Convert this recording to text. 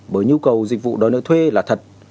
bởi nhu cầu dịch vụ đòi nợ thuê là thật